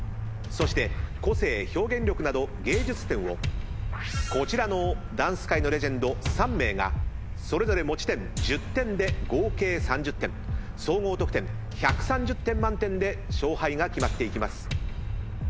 そして個性・表現力など芸術点をこちらのダンス界のレジェンド３名がそれぞれ持ち点１０点で合計３０点総合得点１３０点満点で勝敗が決まっていきます。